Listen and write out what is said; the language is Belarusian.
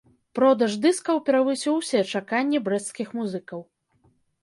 Продаж дыскаў перавысіў усе чаканні брэсцкіх музыкаў.